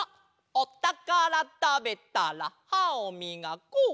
「おたからたべたらはをみがこう！」。